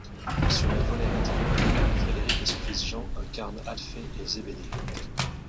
Sur les volets latéraux, Frédéric et son fils Jean incarnent Alphée et Zébédée.